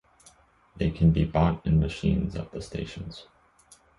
They can be bought in machines at the stations.